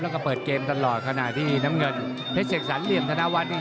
แล้วก็เปิดเกมตลอดขณะที่น้ำเงินเพชรเสกสรรเหลี่ยมธนวัฒน์นี่